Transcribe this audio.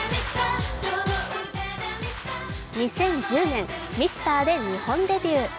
２０１０年、「ミスター」で日本デビュー。